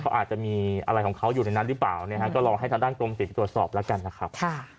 เขาอาจจะมีอะไรของเขาอยู่ในนั้นหรือเปล่าก็รอให้ทางด้านกรมศิลป์ตรวจสอบแล้วกันนะครับ